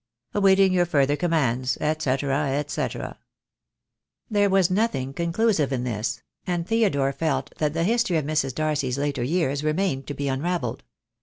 "Awaiting your further commands, &c, &c." There was nothing conclusive in this; and Theodore felt that the history of Mrs. Darcy's later years remained to be unravelled.